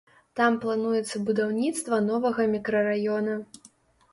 Там плануецца будаўніцтва новага мікрараёна.